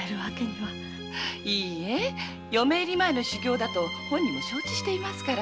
いいえ嫁入り前の修業だと本人も承知していますから。